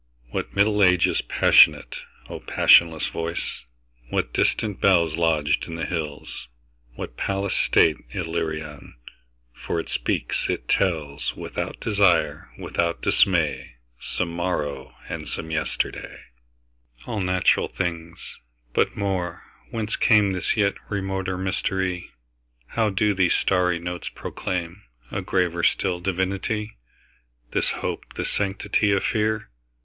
What Middle Ages passionate,O passionless voice! What distant bellsLodged in the hills, what palace stateIllyrian! For it speaks, it tells, Without desire, without dismay, Some morrow and some yesterday. All natural things! But more—Whence cameThis yet remoter mystery? How do these starry notes proclaimA graver still divinity? This hope, this sanctity of fear?